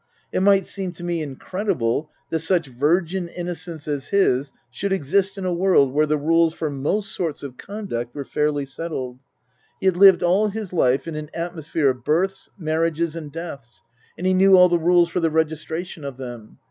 It might seem to me incredible that such virgin innocence as his should exist in a world where the rules for most sorts of conduct were fairly settled. He had lived all his life in an atmo sphere of births, marriages and deaths, and he knew all the rules for the registration of them.